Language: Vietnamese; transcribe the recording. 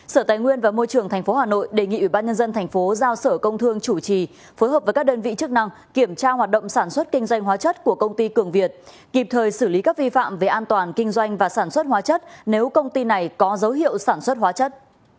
sở tài nguyên và môi trường thành phố hà nội đề nghị ủy ban nhân dân thành phố giao sở công thương chủ trì phối hợp với các đơn vị chức năng kiểm tra hoạt động sản xuất kinh doanh hóa chất của công ty cường việt kịp thời xử lý các vi phạm về an toàn kinh doanh và sản xuất hóa chất nếu công ty này có dấu hiệu sản xuất hóa chất